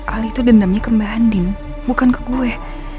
ali tuh dendamnya ke mbak andin bukan ke gue